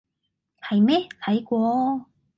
係咩？睇過？